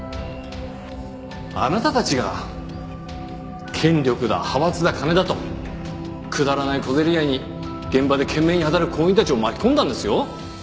あなたたちが権力だ派閥だ金だとくだらない小競り合いに現場で懸命に働く行員たちを巻き込んだんですよ。